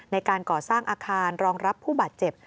ในการก่อสร้างอาคารรองรับผู้บาดเจ็บ